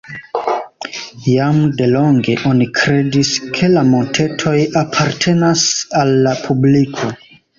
Jam delonge oni kredis, ke la montetoj apartenas al la publiko.